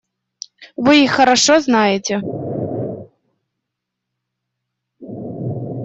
Вы их хорошо знаете.